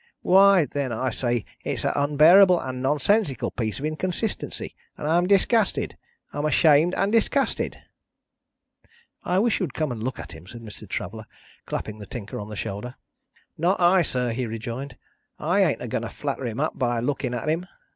Why, then I say it's a unbearable and nonsensical piece of inconsistency, and I'm disgusted. I'm ashamed and disgusted!" "I wish you would come and look at him," said Mr. Traveller, clapping the Tinker on the shoulder. "Not I, sir," he rejoined. "I ain't a going to flatter him up by looking at him!"